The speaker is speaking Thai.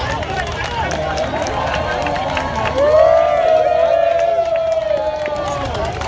เฮียเฮียเฮีย